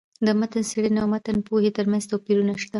د متن څېړني او متن پوهني ترمنځ توپيرونه سته.